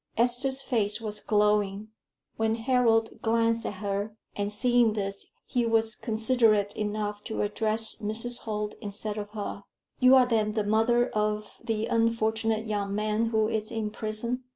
Esther's face was glowing, when Harold glanced at her; and seeing this, he was considerate enough to address Mrs. Holt instead of her. "You are then the mother of the unfortunate young man who is in prison?"